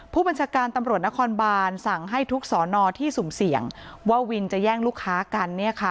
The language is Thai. ผู้บัญชาการตำรวจนครบานสั่งให้ทุกสอนอที่สุ่มเสี่ยงว่าวินจะแย่งลูกค้ากัน